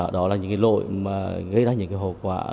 đó là những cái lỗi mà gây ra những hậu quả